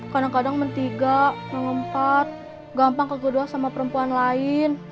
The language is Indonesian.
kadang kadang mentiga mengempat gampang kegedean sama perempuan lain